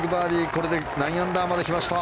これで９アンダーまできました。